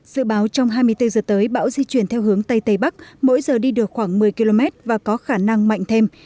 dự báo trong hai mươi bốn h tới bão di chuyển theo hướng tây tây bắc mỗi giờ đi được khoảng một mươi km và có khả năng mạnh thêm